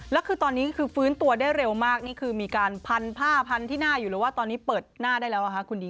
แล้วคือตอนนี้คือฟื้นตัวได้เร็วมากนี่คือมีการพันผ้าพันที่หน้าอยู่หรือว่าตอนนี้เปิดหน้าได้แล้วนะคะคุณดี